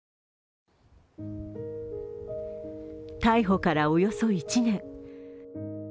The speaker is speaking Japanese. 逮捕からおよそ１年。